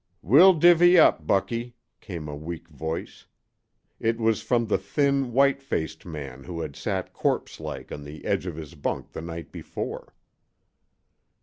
"We'll divvy up, Bucky," came a weak voice. It was from the thin, white faced man who had sat corpselike on the edge of his bunk the night before.